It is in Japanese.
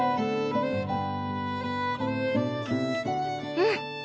うん。